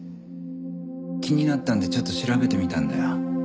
気になったんでちょっと調べてみたんだよ。